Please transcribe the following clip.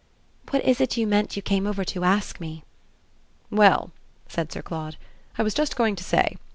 "What is it you meant you came over to ask me?" "Well," said Sir Claude, "I was just going to say.